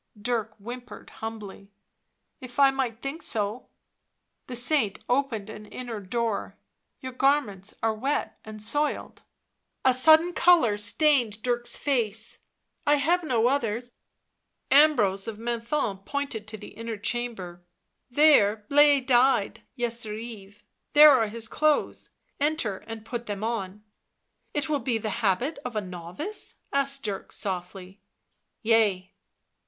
Dirk whimpered humbly : "If I might think so." The saint opened an inner door. " Your garments are wet and soiled." A sudden colour stained Dirk's face. " I have no others." Ambrose of Menthon pointed to the inner chamber. " There Blaise died yester eve ; there are his clothes, enter and put them on." " It will be the habit of a novice ?" asked Dirk softly. " Yea."